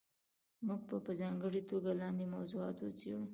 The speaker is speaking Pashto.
موږ به په ځانګړې توګه لاندې موضوعات وڅېړو.